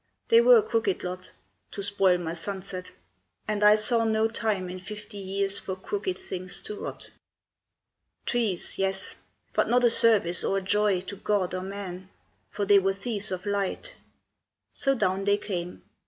They were a crooked lot To spoil my sunset, and I saw no time In fifty years for crooked things to rot. "Trees, yes; but not a service or a joy To God or man, for they were thieves of light. So down they came.